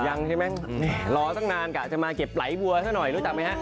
ยังใช่มั้ยรอสักนานกะจะมาเก็บไหลบัวซะหน่อยรู้จักมั้ยฮะ